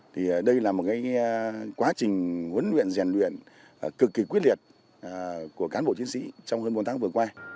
thì đây là một quá trình huấn luyện giàn luyện cực kỳ quyết liệt của cán bộ chiến sĩ trong hơn bốn tháng vừa qua